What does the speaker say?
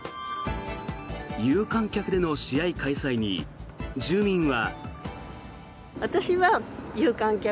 有観客での試合開催に住民は。